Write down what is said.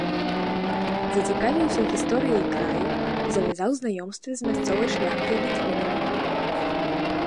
Зацікавіўся гісторыяй краю, завязаў знаёмствы з мясцовай шляхтай-літвінамі.